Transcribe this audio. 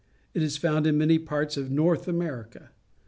It is found in many parts of North America.